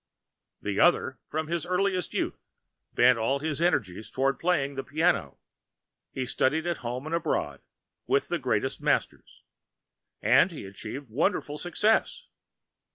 The Other, from his Earliest Youth, bent all his Energies toward Learning to play the Piano. He studied at Home and Abroad with Greatest Masters, and he Achieved Wonderful Success.